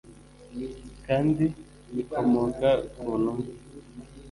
kandi ikomoka ku ntumwa